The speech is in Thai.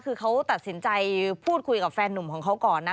คือเขาตัดสินใจพูดคุยกับแฟนหนุ่มของเขาก่อนนะ